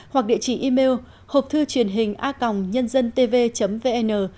hoặc địa chỉ email hộpthư truyền hình a nhân tv vn